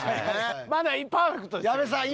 まだパーフェクトですよ